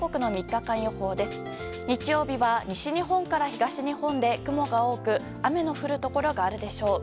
日曜日は西日本から東日本で雲が多く雨の降るところがあるでしょう。